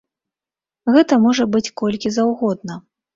Гэта можа быць колькі заўгодна.